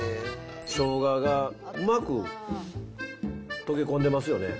しょうががうまく溶け込んでますよね。